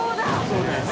そうだよね。